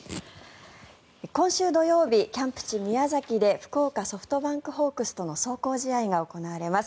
今週土曜日キャンプ地、宮崎で福岡ソフトバンクホークスとの壮行試合が行われます。